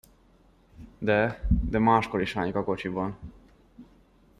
De, de máskor is hányok a kocsiban.